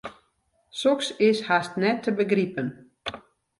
Soks is hast net te begripen.